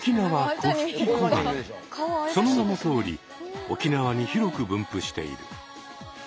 その名のとおり沖縄に広く分布している。